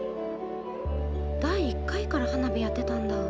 第１回から花火やってたんだ。